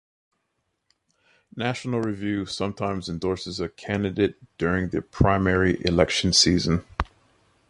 "National Review" sometimes endorses a candidate during the primary election season.